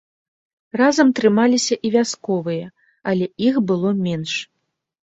Разам трымаліся і вясковыя, але іх было менш.